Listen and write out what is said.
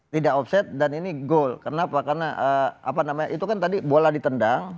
tidak offset dan ini goal kenapa karena apa namanya itu kan tadi bola ditendang